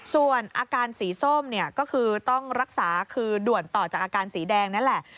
ส่วนอาการสีส้มเนี่ยก็คือต้องรักษาคือด่วนต่อจากอาการสีแดงนั่นแหละ